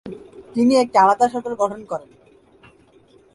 তিনি একটি আলাদা সরকার গঠন করেন।